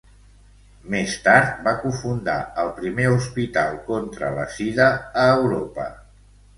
Més tard va cofundar el primer hospital contra la sida a Europa.